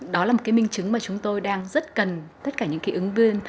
đó là một cái minh chứng mà chúng tôi đang rất cần tất cả những cái ứng viên